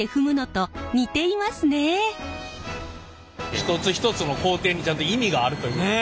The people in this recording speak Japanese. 一つ一つの工程にちゃんと意味があるということですね。